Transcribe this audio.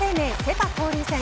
・パ交流戦。